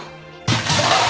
あっ！